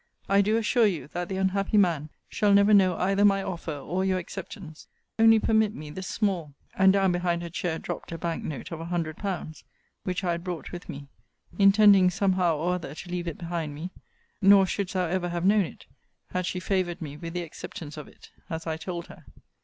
I do assure you, that the unhappy man shall never know either my offer, or your acceptance Only permit me this small And down behind her chair dropt a bank note of 100£. which I had brought with me, intending some how or other to leave it behind me: nor shouldst thou ever have known it, had she favoured me with the acceptance of it; as I told her.